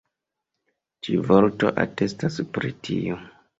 Ĉiu vorto atestas pri tio.